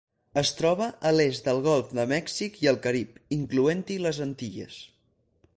Es troba a l'est del Golf de Mèxic i el Carib, incloent-hi les Antilles.